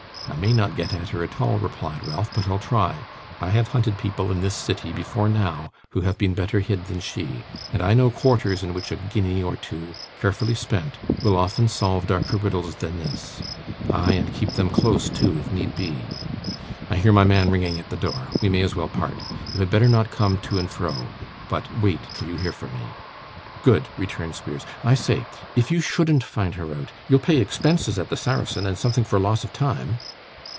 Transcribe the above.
'I may not get at her at all,' replied Ralph, 'but I'll try. I have hunted people in this city, before now, who have been better hid than she; and I know quarters in which a guinea or two, carefully spent, will often solve darker riddles than this. Ay, and keep them close too, if need be! I hear my man ringing at the door. We may as well part. You had better not come to and fro, but wait till you hear from me.' 'Good!' returned Squeers. 'I say! If you shouldn't find her out, you'll pay expenses at the Saracen, and something for loss of time?